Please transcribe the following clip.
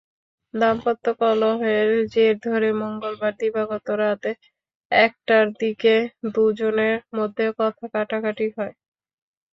দাম্পত্য কলহের জের ধরে মঙ্গলবার দিবাগত রাত একটার দিকে দুজনের মধ্যে কথা-কাটাকাটি হয়।